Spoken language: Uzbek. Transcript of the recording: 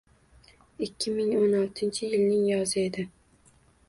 Ikki ming o'n oltinchi yilning yozi edi...